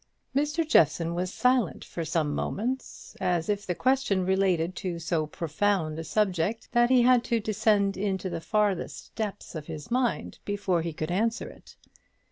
Mr. Jeffson was silent for some moments, as if the question related to so profound a subject that he had to descend into the farthest depths of his mind before he could answer it.